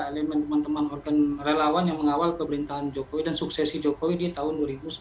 elemen teman teman organ relawan yang mengawal pemerintahan jokowi dan suksesi jokowi di tahun dua ribu sembilan belas